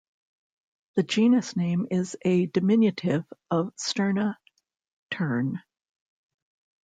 The genus name is a diminutive of "Sterna", "tern".